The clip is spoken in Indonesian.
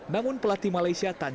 namun pelatih malaysia tancang